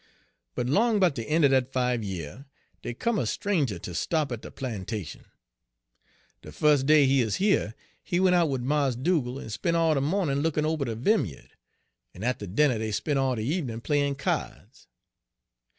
"But 'long 'bout de een' er dat five year dey come a stranger ter stop at de plantation. De fus' day he 'uz dere he went out wid Mars Dugal' en spent all de mawnin' lookin' ober de vimya'd, en atter dinner dey spent all de evenin' playin' kya'ds.